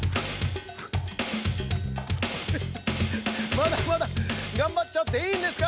まだまだがんばっちゃっていいんですか？